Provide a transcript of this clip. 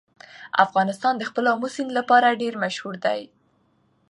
افغانستان د خپل آمو سیند لپاره ډېر مشهور دی.